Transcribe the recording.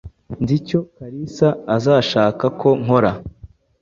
Nzi icyo Kalisa azashaka ko nkora.